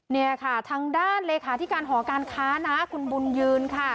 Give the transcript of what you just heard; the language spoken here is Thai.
เนี่ยค่ะทางด้านเลขาธิการหอการค้านะคุณบุญยืนค่ะ